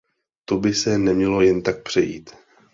To by se nemělo jen tak přejít.